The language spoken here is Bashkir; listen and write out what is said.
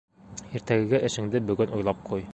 Иртәгәге эшеңде бөгөн уйлап ҡуй.